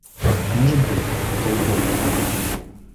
Может быть, это утопия.